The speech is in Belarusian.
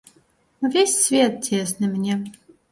Увесь свет цесны мне.